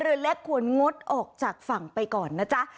เรือเล็กควรงดออกจากฝั่งไปก่อนนะจ๊ะ